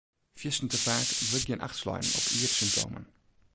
Fierstente faak wurdt gjin acht slein op iere symptomen.